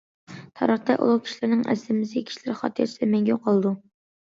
- تارىختا ئۇلۇغ كىشىلەرنىڭ ئەسلىمىسى كىشىلەر خاتىرىسىدە مەڭگۈ قالىدۇ.